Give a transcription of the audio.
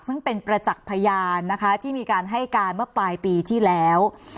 ซึ่งเป็นประจักษ์พยานนะคะที่มีการให้การเมื่อปลายปีที่แล้ว